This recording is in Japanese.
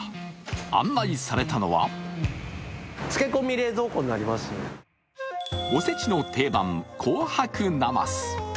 案内されたのはおせちの定番、紅白なます。